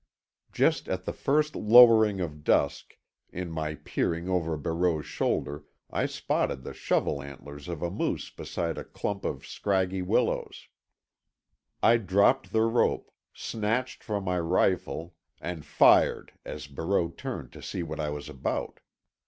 Just at the first lowering of dusk, in my peering over Barreau's shoulder I spotted the shovel antlers of a moose beside a clump of scraggy willows. I dropped the rope, snatched for my rifle and fired as Barreau turned to see what I was about.